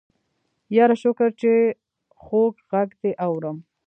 يره شکر چې خوږ غږ دې اورم.